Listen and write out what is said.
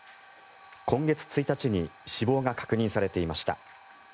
今月１日に死亡が確認されていました。